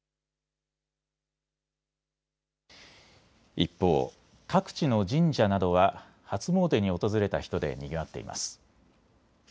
一方、各地の神社などは初詣に訪れた人でにぎわっています。